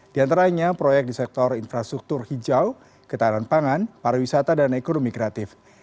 di antaranya proyek di sektor infrastruktur hijau ketahanan pangan pariwisata dan ekonomi kreatif